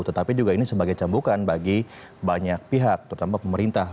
tetapi juga ini sebagai cambukan bagi banyak pihak terutama pemerintah